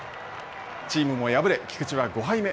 チームも敗れ、菊池は５敗目。